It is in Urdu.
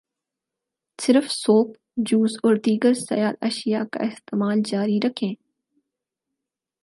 صرف سوپ، جوس، اور دیگر سیال اشیاء کا استعمال جاری رکھیں